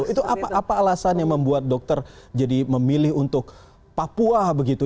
itu apa alasan yang membuat dokter jadi memilih untuk papua begitu